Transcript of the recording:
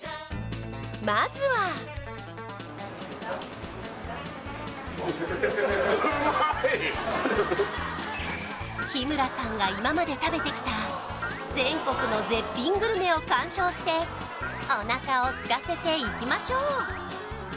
まずは日村さんが今まで食べてきた全国の絶品グルメを鑑賞してお腹をすかせていきましょう！